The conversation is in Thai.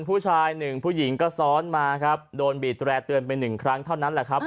ผู้ชายหนึ่งผู้หญิงก็ซ้อนมาครับโดนบีดแร่เตือนไปหนึ่งครั้งเท่านั้นแหละครับ